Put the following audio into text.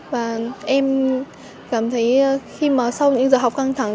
và em cảm thấy khi mà sau những giờ học căng thẳng